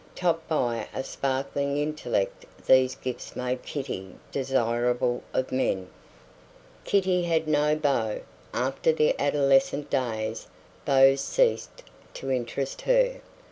Topped by a sparkling intellect these gifts made Kitty desirable of men. Kitty had no beau. After the adolescent days beaux ceased to interest her.